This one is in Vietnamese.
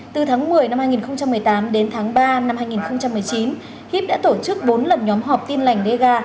từ tháng một mươi năm hai nghìn một mươi tám đến tháng ba năm hai nghìn một mươi chín hip đã tổ chức bốn lần nhóm họp tin lành dega